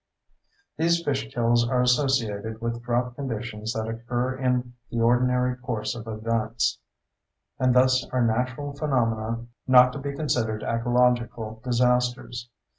These fish kills are associated with drought conditions that occur in the ordinary course of events, and thus are natural phenomena not to be considered ecological disasters.